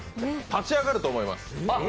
立ち上がると思います。